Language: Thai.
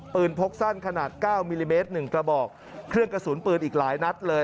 พกสั้นขนาด๙มิลลิเมตร๑กระบอกเครื่องกระสุนปืนอีกหลายนัดเลย